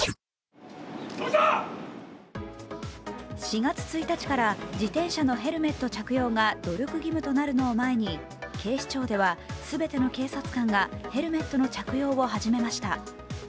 ４月１日から自転車のヘルメット着用が努力義務となるのを前に警視庁では全ての警察官がヘルメットの着用を始めました。